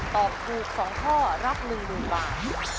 ตอบถูก๒ข้อรับ๑๐๐๐บาท